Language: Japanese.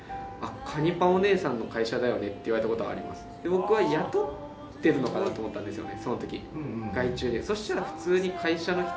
僕は雇ってるのかなと思ったんですよね